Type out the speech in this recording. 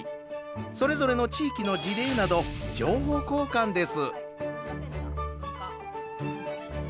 それぞれの地域の事例など情報交換です。